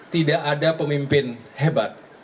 tidak ada pemimpin hebat